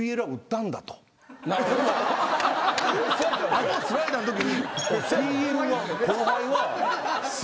あのスライダーのときに。